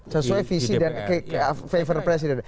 sesuai visi dan favor presiden